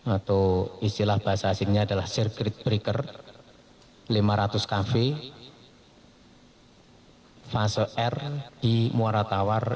atau istilah bahasa asingnya adalah sirkuit breaker lima ratus kv fase r di muara tawar